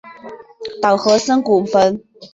稻荷森古坟。